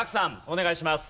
お願いします。